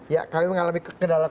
ya kami mengalami kekedalan